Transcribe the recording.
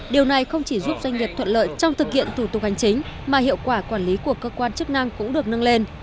điều này không chỉ giúp doanh nghiệp thuận lợi trong thực hiện thủ tục hành chính mà hiệu quả quản lý của cơ quan chức năng cũng được nâng lên